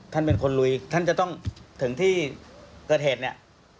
ท่านเป็นคนลุยท่านจะต้องถึงที่เกิดเหตุเนี่ย